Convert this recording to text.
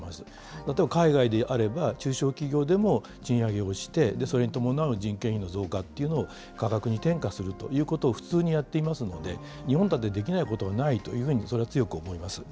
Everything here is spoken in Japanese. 例えば海外であれば、中小企業でも賃上げをして、それに伴う人件費の増加というのを価格に転嫁するということを普通にやっていますので、日本だってできないことはないというふうに、それは強く思います。